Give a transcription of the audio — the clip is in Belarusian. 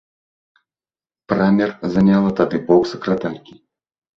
Прамер заняла тады бок сакратаркі.